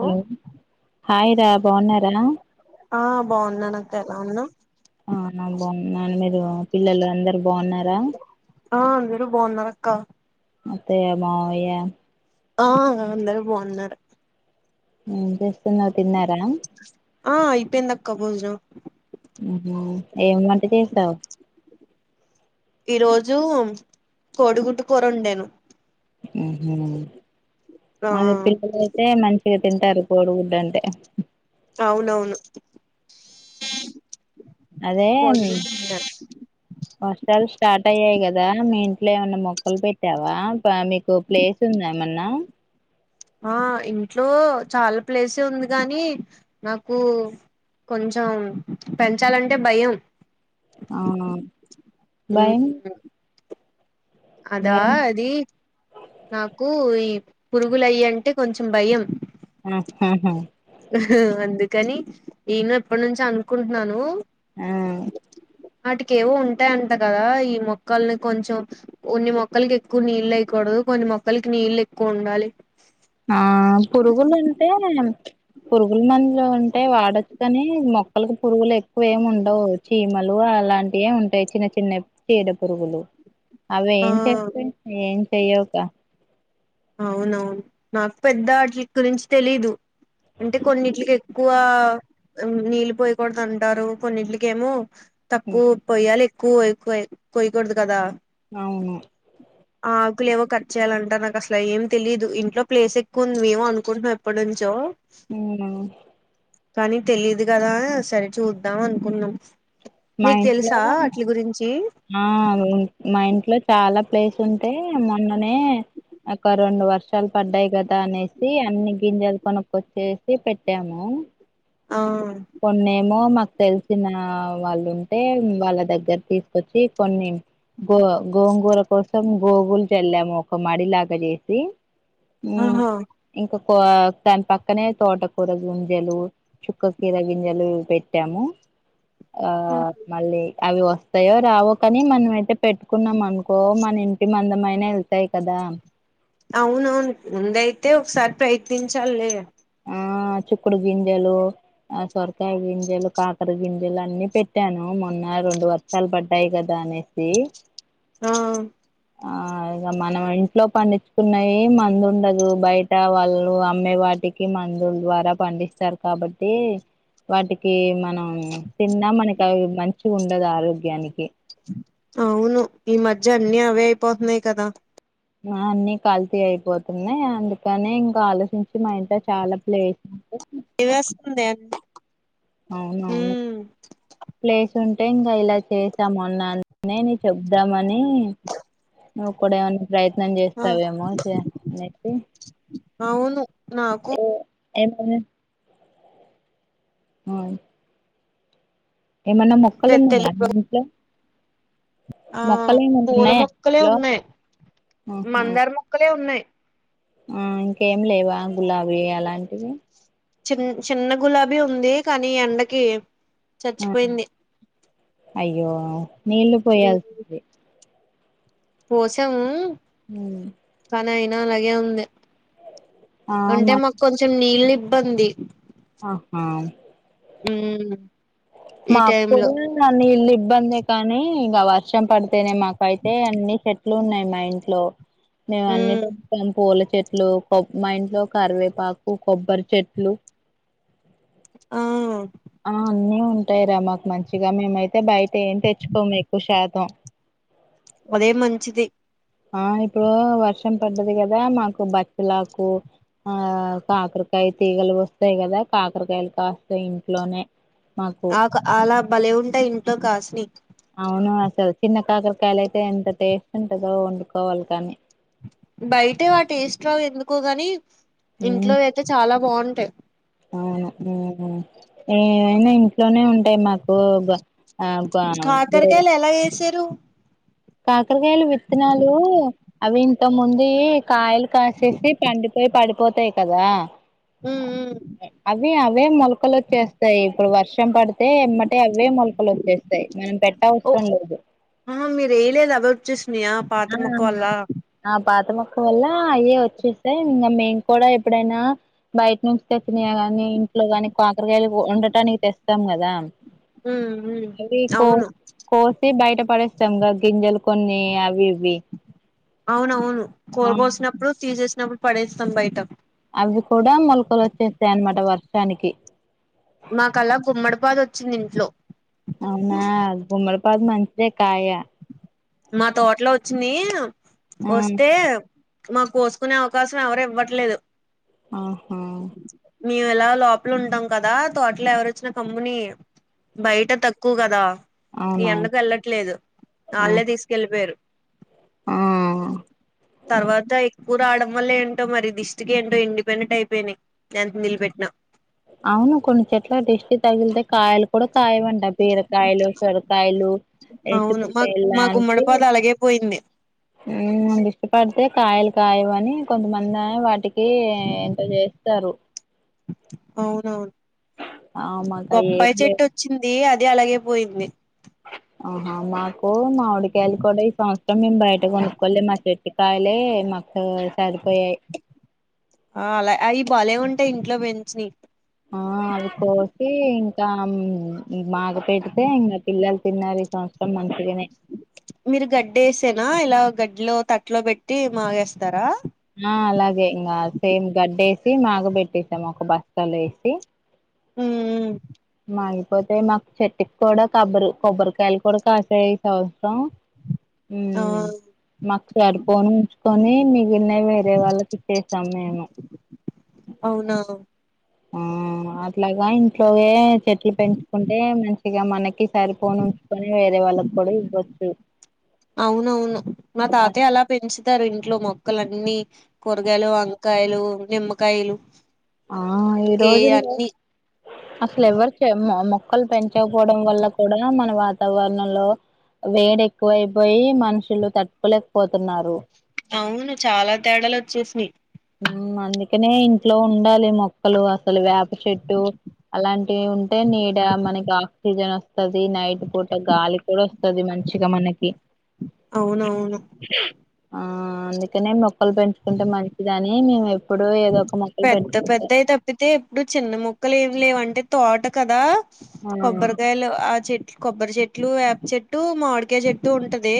Hello hi రా బాగున్నారా ఆ బాగున్నానక్కా ఎలా ఉన్నావ్ ఔనా బాగున్నాను మీరు పిల్లలందరు బాగున్నారా ఆ అందరూ బాగున్నారక్కా అత్తయ్య మావయ్యా ఆ అందరు బాగున్నారు ఏం చేస్తున్నావ్ తిన్నారా ఆ ఐపోందక్క భోజనం ఉహు ఏం వంట చేసావ్ ఈ రోజు కోడిగుడ్డు కోరొండాను ఉహు ఆ మరి పిల్వలేదు టే మంచిగా తింటారు కోడిగుడ్డు అంటే ఔనవును అదే వర్షాలు స్టార్ట్ అయ్యాయి కదా మీ ఇంట్లో ఏమన్నా మొక్కలు పెట్టావా టా మీకు ప్లేస్ ఉందా ఏమన్నా ఆ ఇంట్లో చాల ప్లేసే ఉంది గానీ నాకు కొంచం పెంచాలంటే భయం ఔనౌను భయం మ్మ్ అదా భయం అది నాకు ఈ పురుగులయ్యీ అంటే కొంచెం భయం ఉ ఉహు ఉహు అందుకని నేను ఎప్పనుంచో అనుకుంటున్నాను ఆ ఆటికేవో ఉంటాయంట కదా ఈ మొక్కల్ని కొంచెం ఒన్ని మొక్కలకి ఎక్కువ నీళ్ళయ్యకూడదు కొన్ని మొక్కలకి నీళ్లు ఎక్కువుండాలి ఆ పురుగులంటే పురుగుల మందులు వుంటే వాడొచ్చు కాని మొక్కలకి పురుగులు ఎక్కువ ఏమి ఉండవు చీమలూ, అలాంటియే ఉంటై చిన్న చిన్నయ్ పీడ పురుగులు. ఆ అవ్వేం చేస్తయి? ఏం చెయ్యవుకా? ఔనౌను, నాకు పెద్దాట్రిక్ గురించి తెలియదు. అంటె కొన్నీట్లకు ఎక్కువా నీళ్ళు పోయకూడదంటారు. కొన్నీట్లకేమో తక్కువ పొయ్యాలి ఎక్కువ క్వై పొయ్యకూడదు కదా? ఔను ఆకులు ఏవో కట్ చేయాలంట. నా కస్ ట్ల ఏం తెలియదు ఇంట్లో ప్లేస్ ఎక్కువ ఉంది. మేమూ అనుకుంటున్నాం, ఎప్పటి నుంచో అవునా? కనీ తెలియదు గదా. సరే, చూద్దాం అనుకున్నం. మా మీకు ఇంట్లో తెలుసా అట్ల గురించీ? ఆ అదే, మా ఇంట్లో చాలా ప్లేస్ ఉంటే మొన్ననే ఒక రెండు వర్షాలు పడ్డాయి గదా అనేసి, అన్ని గింజలు కొనుకొచ్చేసి పెట్టామూ. ఆ కొన్నేమో నాక్ తెలిసినయా వాళ్ళుంటే, వాళ్ళ దగ్గర తీసుకొచ్చి కొన్ని గో గోంగూర కోసం గోగుల్కెల్లాము ఒక మడిలాగ జేసి ఊ, ఆహా ఇంకొకా దాని పక్కనే తోటకూర గుంజలూ చుక్క కీర గింజలూ పెట్టాము. ఆ మళ్ళీ అవి వస్తయో రావొ కనీ, మనమ్ అయితే పెట్టుకున్నాం అనుకో, మన ఇంటి మందమైన ఎల్ తై కదా. అవునవును, ముందైతే ఒకసారి ప్రయత్నించాలి లే ఆ చుక్కుడు గింజలూ ఆ సొరకాయ్ గింజలు, కాకర గింజలు అన్ని పెట్టాను. మొన్న రెండు వ ర్షాల్ బడ్డాయి గదా అనేసీ ఆ ఆ ఇగ మనం ఇం ట్లో పండిచ్చుకున్నయి ఏ మందు ఉండదు. బయట వాళ్ళు అమ్మే వాటికి మందుల ద్వారా పండిస్తరు. కాబట్టీ, వాటికీ మనం తిన్నా, మనకి అవి మంచిగ ఉండదు ఆరోగ్యానికి. అవును, ఈ మజ్య అన్నీ అవే అయిపోతున్నాయి కదా. ఆ అన్ని కల్తీ అయిపోతున్నయి. అందుకనే ఇంకా ఆలోచించి, మా ఇంత చాలా ప్లేస్ ఉంటే ఇవ్వేస్తుంది ఏం అవునవును, ప్లేస్ ఉంటే ఇంగ ఇలా చేసాం మొన్న నే నీక్ చెప్దామనీ ఒక్కడే అన్ ప్రయత్నం ఆ జేస్తావేమో! చెయ్ అనేసి అవును నాకు ఏం కర్రీ? ఆయ్ ఏమన్న తె మొక్కలున్నవియా తెలుగు మీ ఇంట్లో? ఆ మొక్కలు ఏమన్నా పూల ఉన్నాయా మొక్కలే ఇంట్లో ఉన్నాయ్. ఆహా! మందార మొక్కలే ఉన్నాయ్. ఆ ఇంకేమ్ లేవా? గులాబీ అలాంటివి. చిన్ చిన్న గులాబీ ఉంది కానీ, ఎండకీ ఆ అయ్యో నీళ్ళు ఉమ్ పోయాల్ పోసాము ఉమ్మ్ కానీ అయినా అలాగే ఉంది, ఆ అంటే మా మాక్ కొంచెం నీళ్ళు ఇబ్బంది. ఆహా ఉమ్మ్ మా అప్పుడు నా నీళ్ల ఇబ్బందే కానీ, ఇంగ వర్షం పడితేనే మాకైతే అన్ని చెట్ ట్లు ఉన్నాయి మా ఇంట్లో. మేము ఉ అన్ని పెంచుతాం పూల చెట్లు, కొ మా ఇంట్లో కరివేపాకు, కొబ్బరి చెట్లు ఆ ఆ అన్నీ ఉంటాయిరా మాకు మంచిగా, మేమైతే బయట ఏం తెచ్చుకోము ఎక్కువ శాతం. అదేమంచిది ఆ ఇప్పుడు వర్షం పడ్డది గాదా, మాకు బచ్చలాకు ఆ కాకరకాయ తీగలు వస్తాయి గదా, కాకరకాయలు కాస్తాయి ఇంట్లోనే. మాకు ఒక అలా బలే ఉంటాయి ఇంట్లో కాసినయ్ అవును అసలు చిన్న కాకరకాయలు అయితే, ఎంత టేస్ట్ ఉంటదో వండుకోవాలి కానీ. బయటవి ఆ టేస్ట్ రావు ఎందుకో గాని, ఉమ్ ఇంట్లో అయితే చాలా బావుంటాయి. అవును, ఉమ్ ఉమ్ ఏమైనా ఇంట్లోనే ఉంటాయి మాకు ఆ గానం కూరలు కాకరకాయలు ఎలా ఏసారు కాకరకాయలు విత్తనాలు అవి ఇంతక్ ముందుయ్ కాయలు కాసేసి, పండిపోయి పడిపోతాయి కదా ఉమ్మ్ ఉమ్ అవ్వి అవే మొలకలు ఒచ్చేస్తాయి, ఇప్పుడు వర్షం పడ్త్ తే ఎమ్మటే అవే మొలకలు ఒచ్చేస్తాయి, మనం పెట్ట అవసరం లేదు. ఆహా మీరు ఎయలేద అవ్వే ఒచ్చేసినయా ఆ అవును ఆ పాత మొక్క వల్ల, అయ్యే ఒచ్చేసాయి ఇంగ మేము కూడా ఎప్పుడైనా బయట్ నుంచి తెచ్చినయ్ గాని, ఇంట్లో గాని కాకరగాయలు ఓ వండటానికి తెస్తాం గదా. ఉమ్ ఉమ్ అవి కో అవును కోసి బయట పడేస్తాముగా గింజలు కొన్ని అవ్వి ఇ వి అవునవును కోర కోసినప్పుడు, తీసేసినప్పుడు పడేస్తాం బయట అవ్వి కూడా మొలకలు ఒచ్చేస్తాయి అనమాట వర్షానికి మాకలా గుమ్మడిపాదు ఒచ్చింది ఇంట్లో అవునా గుమ్మడి పాదు మంచిదే కాయ మా తోటలో ఒచ్చింది, ఆ ఒస్తే మాక్ కోసుకునే అవకాశం ఎవరు ఇవ్వట్లేదు ఆహా మేము ఎలా లోపల ఉంటాం కదా, తోటలో ఎవరోచ్చిన కమ్ముని బయట తక్కువ్ గదా, ఈ అవునవును ఎండకు వెళ్ళట్లేదు వాళ్ళే తీస్ ఆ కెళ్లిపోయారు ఆ తర్వాతై ఊ రావడం వల్లే ఏంటో మరి, దిష్టికి ఏంటో ఎండిపోయినట్టు అయిపోయినాయి, ఎంత నీల్పెట్టినా అవును కొన్ని చెట్ల దిష్టి తగిలితే కాయలు కూడా కాయవంట, బీరకాయలు, సొరకాయలు ఏ అవును మాకు చిక్కుడుకాయలు మా గుమ్మడి పాద అలాగే పోయింది ముందు ఇష్టపడితే కాయలు కాయవని కొంతమంది వాటికి ఈ ఎంత చేస్తారు అవునవును ఆ మాకు అయి ఏం బొప్పాయి లే చెట్టొచ్చు చ్చింది అది అలాగే పోయింది ఆహా మాకు మామిడికాయలు కూడా ఈ సంవత్సరం మేము బయట కొనుక్కోలే మా చెట్టుకాయ లే మాకు సరిపోయాయి ఆ అలా అయి భలే ఉంటాయి ఇంట్లో పెంచినయ్ ఆ అవి కోసి ఇంకా మాగ పెడితే ఇంకా పిల్లలు తిన్నారు ఈ సంవత్సరం మంచిగానే మీరు గడ్డిసేన ఇలా గడ్డిలో తట్లో పెట్టి మాగేస్తారా ఆ అలాగే ఇంకా సేమ్ గడ్డ వేసి మాగ పెట్టేసాం ఒక బస్తలో ఏసి ఉమ్ మాగిపోతే మాకు చెట్టుకి కూడా కబ్బరి కొబ్బరికాయలు కూడా కాసాయి ఈ సంవత్సరం అ ఉమ్ మాకు సరిపోని ఉంచుకొని మీ ఉన్నయి వేరే వాళ్ళకి ఇచ్చేసాం మేము అవునా అట్లగాని ఇంట్లోయె చెట్లు పెంచుకుంటే మంచిగా మనకి సరిపోను కొని వేరే వాళ్ళకి కూడా ఇవ్వచ్చు అవునవును మా తాతయ్య అలా పెంచుతారు ఇంట్లో మొక్కలన్నీ కూరగాయలు వంకాయలు నిమ్మకాయలు ఆ ఈ ఇంకే రోజుల్లో అన్ని అసలు ఎవరు చె మొ మొక్కలు పెంచకపోవడం వల్ల కూడా మన వాతావరణంలో వేడి ఎక్కువయిపోయి మనుషులు తట్టుకోలేకపోతున్నారు అవును చాలా తేడాలు వచ్చేసినాయి అందుకనే ఇంట్లో ఉండాలి మొక్కలు అసలు వేప చెట్టు అలాంటివి ఉ తె నీడ మనకి ఆక్సిజన్ వస్తది నైట్ పూట గాలి కూడా వస్తది మంచిగా మనకి అవునవును ఆ అందుకనే మొక్కలు పెంచుకుంటే మంచిదనీ మేము ఎ పెద్ద పెద్దవి తప్పితే ఇప్పుడు చిన్న మొక్కలు ఏమి లేవు అంటే తోట కదా ఆ కొబ్బరికాయలు ఆ చెట్ కొబ్బరి చెట్లు వేప చెట్టు మామిడికాయ చెట్టు ఉంటది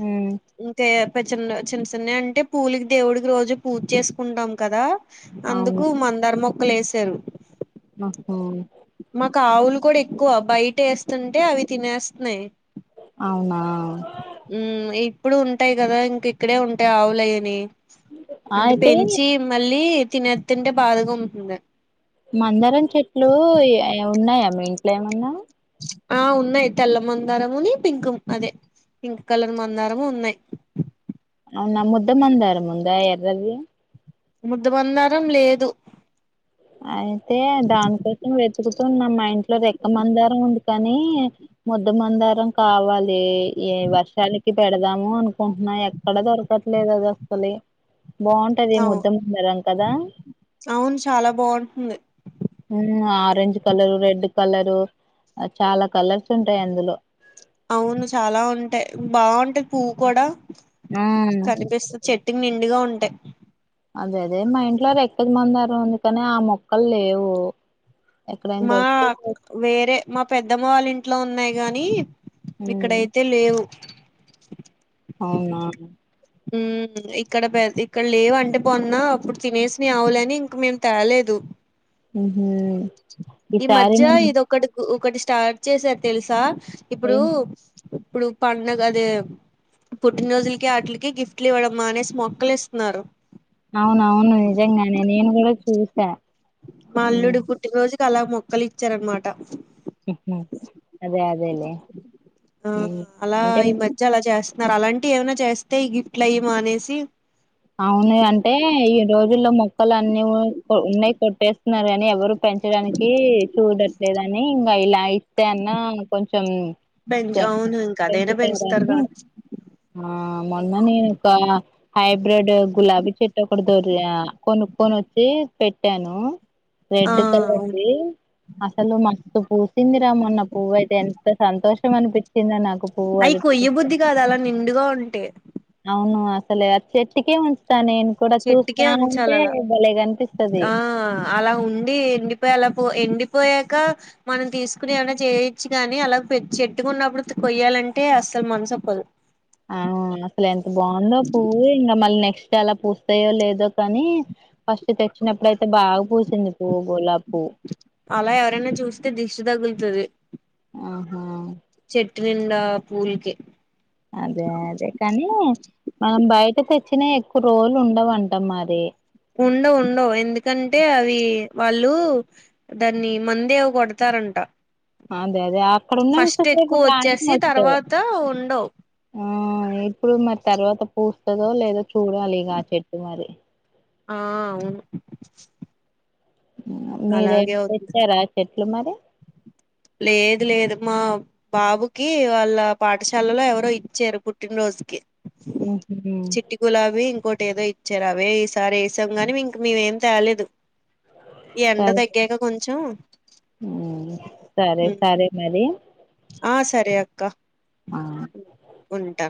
ఉమ్ ఇంతె కొంచెం చిన్న చిన్న చిన్నవి అంటే పూలికి దేవుడికి రోజు పూజ చేసుకుంటాం కదా అవును అందుకు మందార మొక్కలు ఏసారు ఆ హ మాకు ఆవులు కూడా ఎక్కువ బయట ఏస్తుంటే అవి తినేస్తున్నాయి అవునా ఉం ఇప్పుడు ఉంటాయి కదా ఇంక ఇక్కడే ఉంటాయి ఆవులయని అంటే అయితే పెంచి మళ్ళీ తినతుంటే బాధగా ఉంటుంది మందారం చెట్లు ఏ ఉన్నాయా మీ ఇంట్లో ఏమన్నా ఆ ఉన్నాయి తెల్ల మందారముని పింక్ అదే పింక్ కలర్ మందారము ఉన్నాయి అవున ముద్ద మందారం ఉందా ఎర్రది ముద్దమందారం లేదు అయితే దానికోసం వెతుకుతునం మా ఇంట్లో రెక్కమందారం ఉంది కానీ ముద్దుమందారం కావాలి ఈ వర్షాలకి పెడదాము అనుకుంటున్నా ఎ ఎక్కడ దొరకట్లేదు అది అసలి బాగుంటది అవు ముద్దమందారం కదా అవును చాలా బాగుంటుంది ఉమ్ ఆరెంజ్ కలరు రెడ్ కలరు చాలా కలర్స్ ఉంటాయి అందులో అవును చాలా ఉంటాయి బాగుంటె పువ్వు కూడా ఉమ్ కనిపిస్తుంది చెట్టుకి నిండుగా ఉంటాయి అదే అదే మా ఇంట్లో రెక్కల మందారం ఉంది కాని ఆ మొక్కలు లేవు ఎక్కడైనా మా దొరికితే తె- వేరే మా పెద్దమ్మ వాళ్ళ ఇంట్లో ఉన్నాయి గాని ఉమ్, ఇక్కడయితే లేవు అవునా ఉమ్ ఇక్కడ పె ఇక్కడ లేవు అంటే మొన్న అప్పుడు తినేసినయి ఆవులని ఇంక మేము తేలేదు ఉహు ఈ ఈసారి మధ్య ఇదొక ఒకటి స్టార్ట్ చేసారు తెలుసా ఇప్పుడు నేను ఇప్పుడు పండగ అదే పుట్టినరోజులకి అట్లికి కి గిఫ్ట్లు ఇవ్వడం మానేసి మొక్కలు ఇస్తున్నారు అవునవును నిజంగానే నేను కూడా చూసా మా ఉమ్, అల్లుడు పుట్టినరోజుకి అలా మొక్కలు ఇచ్చారనమాట ఉహు అదే అదేలే అంటే చాలా చేస్తున్నారు అలాంటివి ఏమైనా చేస్తే ఈ గిఫ్ట్లు అయ్యి మానేసి అవును అంటే ఈ రోజుల్లో మొక్కలు అన్ని ఉన్నయి కొట్టేస్తున్నారు కానీ ఎవరు పెంచడానికి చూడట్లేదని ఇంగా ఇలా ఇస్తే అన్నా కొంచం పెంచు సరే అవును ఇంక అదైనా పెంచుతారు పెంచుతారని కదా ఆ మొన్న నేను ఒక హై బ్రెడ్ గులాబీ చెట్టు ఒకటి దొరా కొనుక్కొనొచ్చి పెట్టాను ఆ రెడ్ అవును కలర్దీ అస్సలు మం పూసింది రా మొన్న పువ్వైతే ఎంత సంతోషం అనిపించిందో నాకు పువ్వు అయి అది పూస్తే కొయ్యబుద్ధి కాదు అలా నిండుగా ఉంటే ఔను అస్సలు ఆ చెట్టుకే ఉంచుతా నేను కూడా చూస్తా చెట్టుకే ఉంటే ఉంచాలి అలా భలే కనిపిస్తది ఆ అలా ఉండి ఎండిపోయేలో పు ఎండిపోయాక మనం తీసుకుని ఎమన్నా చేయొచ్చు కానీ అలా చెట్టుకున్నప్పుడు కొయ్యాలంటే అసలు మనస్సొపదు ఆ అస్సలెంత బాగుందో పువ్వు ఇంకా మళ్ళీ నెక్స్ట్ అలా పూస్తాయో లేదో కానీ ఫస్ట్ తెచ్చినప్పుడైతే బాగా పూసింది పూవ్వు గులాబ్పువ్వు అలా ఎవరైనా చూస్తే దిష్టి తగుల్తదీ ఆహా చెట్టు నిండా పూల్కే అదే అదే కాని మనం బైట తెచ్చిన ఎక్కురోలుండవంట మరి ఉండవు ఉండవు ఎందుకంటే అవి వాళ్ళు దాన్ని మందేవో కొడ్తారంట అదే అదే అక్కడ ఉన్నంతసేపు ఎక్కువ ప్రాణం వచ్చేసి వస్తది తర్వాత ఉండవు ఆ ఇప్పుడు మరి తర్వాత పూస్తదో లేదో చూడాలి ఇగ ఆ చెట్టు మరి ఆ అవును మీరేం అలాగే అవుతుంది పెట్టారా చెట్లు మరి లేదు లేదు మా బాబుకి వాళ్ళ పాఠశాలల ఎవరో ఇచ్చారు పుట్టిన్రోజుకి ఉమ్ హ్ హు గులాబీ ఇంకోటేదో ఇచ్చారు అవే ఈ సారి ఏసాం గానీ ఇంక మేమేం తేలేదు ఎండ తగ్గాక కొంచెం ఉమ్ సరే సరే మరి ఆ సరే అక్క ఆ ఉంటా